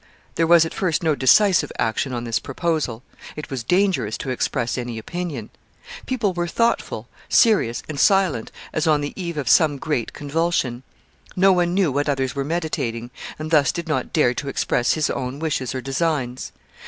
There was at first no decisive action on this proposal. It was dangerous to express any opinion. People were thoughtful, serious, and silent, as on the eve of some great convulsion. No one knew what others were meditating, and thus did not dare to express his own wishes or designs.